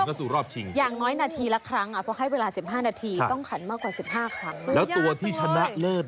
ห้าสิบสองคำต่อระยะเวลาสิบห้านาทีอ่ะห้าสิบสองคำมันไม่ใช่น้อยน่ะโอ้โฮมันเจ็บคอ